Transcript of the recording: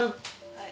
はい。